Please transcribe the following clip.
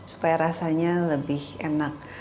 supaya rasanya lebih enak